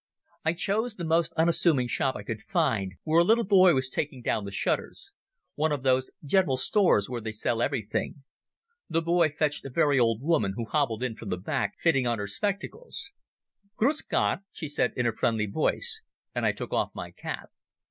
I chose the most unassuming shop I could find, where a little boy was taking down the shutters—one of those general stores where they sell everything. The boy fetched a very old woman, who hobbled in from the back, fitting on her spectacles. "Gruss Gott," she said in a friendly voice, and I took off my cap.